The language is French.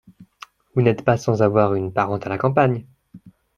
Vous n’êtes pas sans avoir une parente à la campagne ?